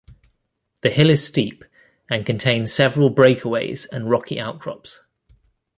The hill is steep and contain several breakaways and rocky outcrops.